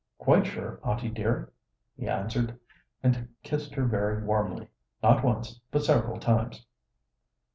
"Quite sure, aunty dear," he answered, and kissed her very warmly, not once, but several times.